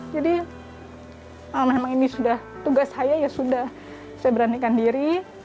jadi kalau memang ini sudah tugas saya ya sudah saya beranikan diri